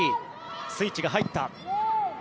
スイッチが入った。